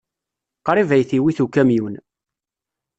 Qrib ay t-iwit ukamyun.